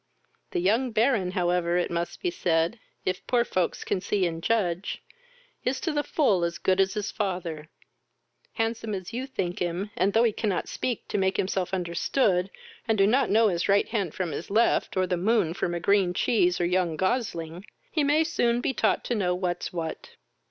The young Baron however, it must be said, if poor folks can see and judge, is to the full as good as his father. Handsome as you think him, and though he cannot speak to make himself understood, and do not know his right hand from his left, or the moon from a green cheese or young gosling, he may soon be taught to know what's what.